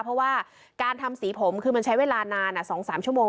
เพราะว่าการทำสีผมคือมันใช้เวลานาน๒๓ชั่วโมง